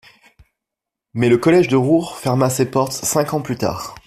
Mais le Collège du Roure ferma ses portes cinq ans plus tard.